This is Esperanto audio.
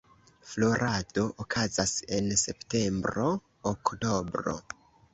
Florado okazas en septembro–oktobro.